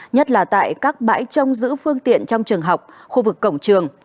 nhất là tại các bãi trông giữ phương tiện trong trường học khu vực cổng trường